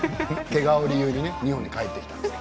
けがを理由に日本に帰ってきて。